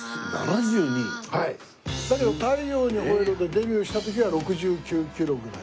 『太陽にほえろ！』でデビューした時は６９キロぐらい。